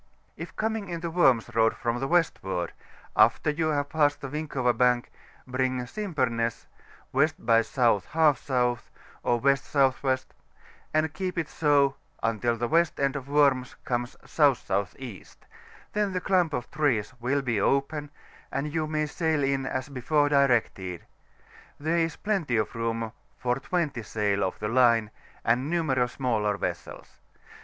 K coining into Worms Road from the westward, after vou have passed the Winkova Bank, bring Simpemess W. by S. J S. or W.S.W., and keep it so until the west end of Worms comes S.S.E., then the clump of trees will be open, and you may sail in as before directed; there is plenty of room for 20 sail of the line, and numerous smaller vessels.